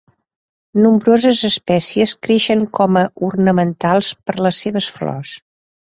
Nombroses espècies creixen com a ornamentals per les seves flors.